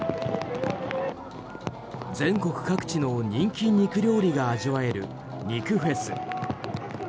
全国各地の人気肉料理が味わえる肉フェス。